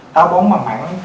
táo bón mà mảng